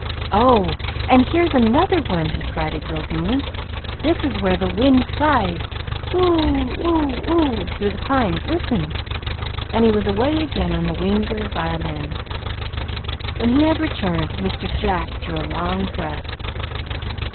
"Oh, and here's another one," he cried exultingly. "This is where the wind sighs, 'oou OOU OOU' through the pines. Listen!" And he was away again on the wings of his violin. When he had returned Mr. Jack drew a long breath.